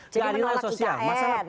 jadi menolak ikn